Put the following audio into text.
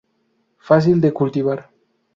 Fácil de cultivar.